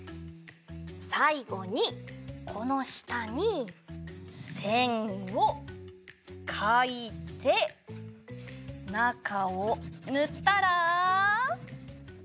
さいごにこのしたにせんをかいてなかをぬったら。